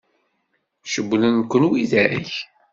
Cewwlen-ken widak?